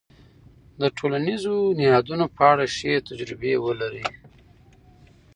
د ټولنيزو نهادونو په اړه ښې تجربې ولرئ.